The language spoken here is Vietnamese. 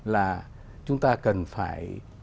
là chúng ta cần phải